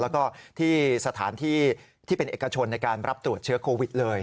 แล้วก็ที่สถานที่ที่เป็นเอกชนในการรับตรวจเชื้อโควิดเลย